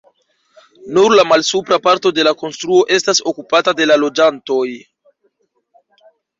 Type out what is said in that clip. Nur la malsupra parto de la konstruo estas okupata de la loĝantoj.